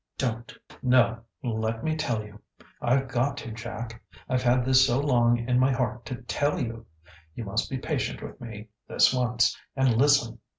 Don't " "No let me tell you. I've got to, Jack. I've had this so long in my heart to tell you!... You must be patient with me, this once, and listen....